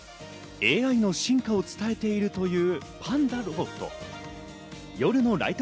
ＡＩの進化を伝えているというパンダロボット。